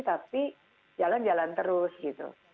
tapi jalan jalan terus gitu